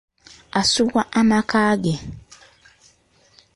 Asubwa amaka ge.